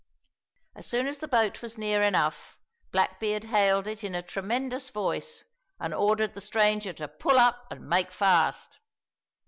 As soon as the boat was near enough Blackbeard hailed it in a tremendous voice and ordered the stranger to pull up and make fast.